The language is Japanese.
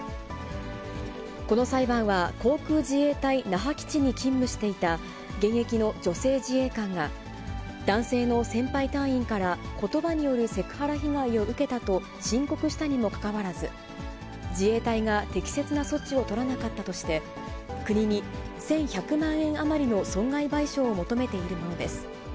この裁判は航空自衛隊那覇基地に勤務していた現役の女性自衛官が、男性の先輩隊員から、ことばによるセクハラ被害を受けたと申告したにもかかわらず、自衛隊が適切な措置を取らなかったとして、国に１１００万円余りの損害賠償を求めているものです。